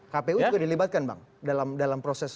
kpu juga dilibatkan bang dalam proses